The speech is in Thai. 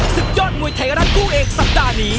สุดยอดมุยไทยรัตน์คู่เอกสัปดาห์นี้